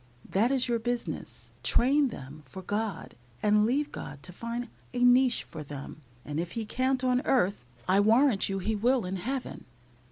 That is your business; train them for God, and leave God to find a niche for them, and if He can't on earth, I warrant you He will in Heaven."